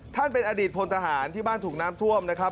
ท่านเป็นอดีตพลทหารที่บ้านถูกน้ำท่วมนะครับ